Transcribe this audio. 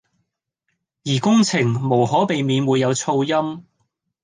而工程無可避免會有噪音